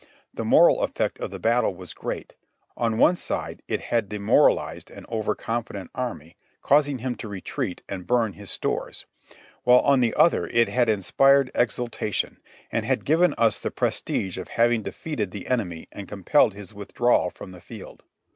The moral effect of the battle was great ; on one side it had demoralized an over confident enemy, causing him to retreat and burn his stores ; while on the other it had inspired ex ultation, and had given us the prestige of having defeated the enemy and compelled his withdrawal from the field.